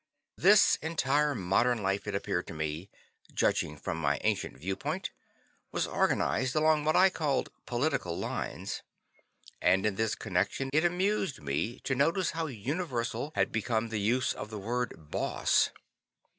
This entire modern life, it appeared to me, judging from my ancient viewpoint, was organized along what I called "political" lines. And in this connection, it amused me to notice how universal had become the use of the word "boss."